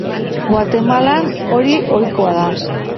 Guatemalan hori ohikoa da.